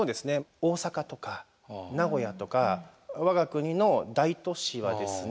大阪とか名古屋とか我が国の大都市はですね